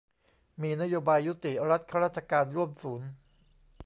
มีนโยบายยุติรัฐราชการร่วมศูนย์